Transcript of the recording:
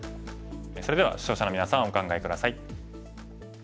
それでは視聴者のみなさんお考え下さい。